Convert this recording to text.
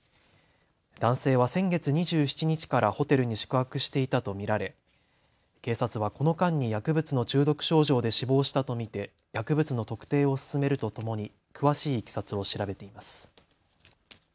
男性は先月２７日からホテルに宿泊していたと見られ警察はこの間に薬物の中毒症状で死亡したと見て薬物の特定を進めるとともに詳しいいきさつを調べています。